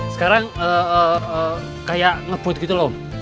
sekarang kayak ngebut gitu loh